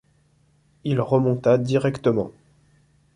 Il remonta directement.